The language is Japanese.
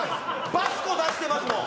バスコ出してますもん！